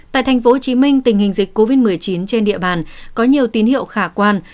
tại tp hcm tình hình dịch covid một mươi chín trên địa bàn có nhiều tín hiệu khả quan